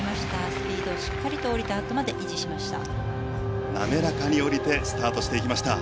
スピード、しっかり降りたあとまで維持しました。